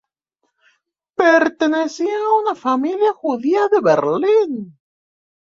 Pertenecía a una familia judía de Berlín.